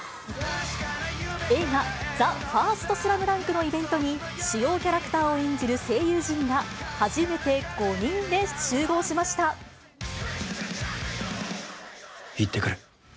映画、ＴＨＥＦＩＲＳＴＳＬＡＭＤＵＮＫのイベントに、主要キャラクターを演じる声優陣が初めて行ってくる。